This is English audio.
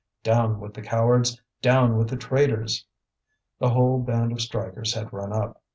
"Down with the cowards! down with the traitors!" The whole band of strikers had run up.